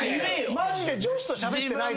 マジで女子としゃべってないでしょ。